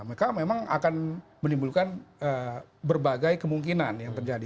mereka memang akan menimbulkan berbagai kemungkinan yang terjadi